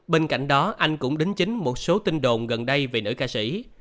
bên cạnh đó anh cũng đính chính một số tin đồn gần đây về nữ ca sĩ